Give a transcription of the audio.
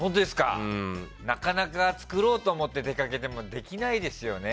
なかなか作ろうと思って出かけてもできないですよね。